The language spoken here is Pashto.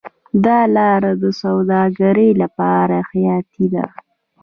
دا لاره د سوداګرۍ لپاره حیاتي ده.